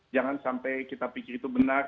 jangan sampai kita pikir itu benar